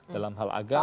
dalam hal agama